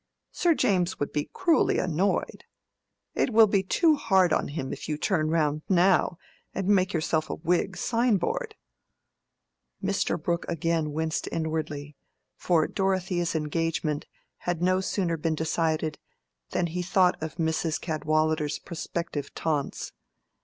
Sir James would be cruelly annoyed: it will be too hard on him if you turn round now and make yourself a Whig sign board." Mr. Brooke again winced inwardly, for Dorothea's engagement had no sooner been decided, than he had thought of Mrs. Cadwallader's prospective taunts.